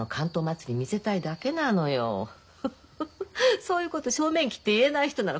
そういうこと正面切って言えない人なの。